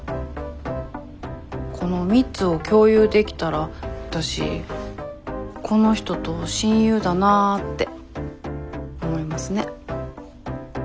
この３つを共有できたら「わたしこの人と親友だなぁ」って思いますね。